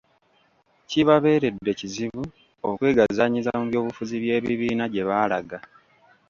Kibabeeredde kizibu okwegazanyiza mu by'obufuzi by'ebibiina gye baalaga.